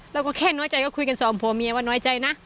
เราก็แค่น้อยใจก็คุยกันสองผัวเมียว่าน้อยใจนะ